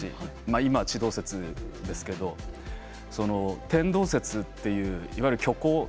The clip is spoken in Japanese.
今は地動説ですけれど天動説といういわゆる虚構。